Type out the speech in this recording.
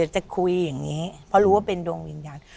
จะคุยอย่างนี้เพราะรู้ว่าเป็นดวงวิญญาณ